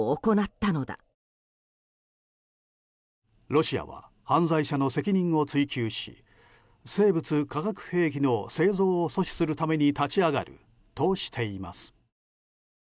ロシアは犯罪者の責任を追及し生物・化学兵器の製造を阻止するために立ち上がるとしています。